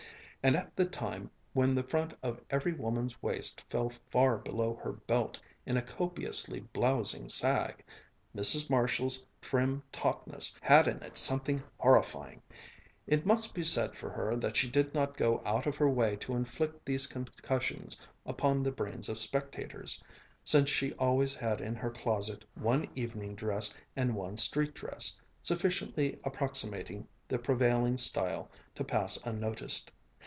And at the time when the front of every woman's waist fell far below her belt in a copiously blousing sag, Mrs. Marshall's trim tautness had in it something horrifying. It must be said for her that she did not go out of her way to inflict these concussions upon the brains of spectators, since she always had in her closet one evening dress and one street dress, sufficiently approximating the prevailing style to pass unnoticed.